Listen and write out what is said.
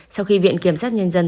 sau khi viện kiểm sát nhân dân